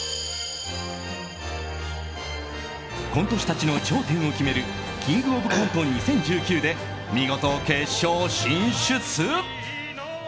コント師たちの頂点を決める「キングオブコント２０１９」で見事、決勝進出！